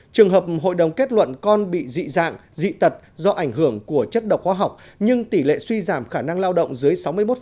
trường hợp hội đồng kết luận con bị dị dạng dị tật do ảnh hưởng của chất độc hóa học nhưng tỷ lệ suy giảm khả năng lao động dưới sáu mươi một